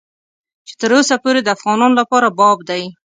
چې تر اوسه پورې د افغانانو لپاره باب دی.